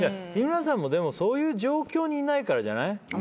日村さんもそういう状況にいないからじゃない。